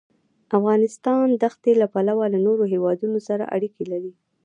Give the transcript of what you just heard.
افغانستان د ښتې له پلوه له نورو هېوادونو سره اړیکې لري.